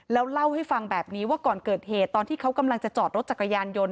แล้วเล่าให้ฟังแบบนี้ว่าก่อนเกิดเหตุตอนที่เขากำลังจะจอดรถจักรยานยนต์